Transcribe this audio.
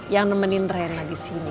yang nemenin rena disini